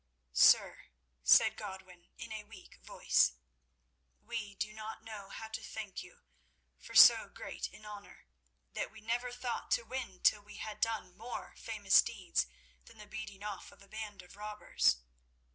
"Sir," said Godwin in a weak voice, "we do not know how to thank you for so great an honour, that we never thought to win till we had done more famous deeds than the beating off of a band of robbers.